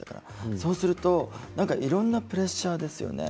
そうするといろんなプレッシャーですよね